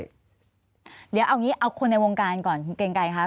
เดี๋ยวเอาอย่างงี้เอาคนในวงการก่อนคุณเกร็งไก่ค่ะ